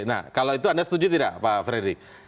nah kalau itu anda setuju tidak pak fredrik